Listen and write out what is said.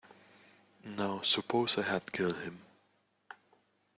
Now, suppose I had killed him.